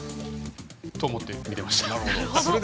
そう思って見ていました。